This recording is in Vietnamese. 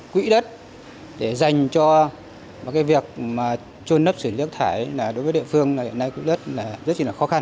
quỹ đất để dành cho việc trôn lấp xử lý giác thải đối với địa phương hiện nay quỹ đất rất là khó khăn